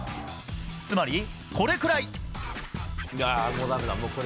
つまり、これくらい。